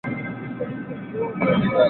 Ni nani anayekubali suluhu?